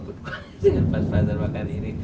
pas belajar makan ini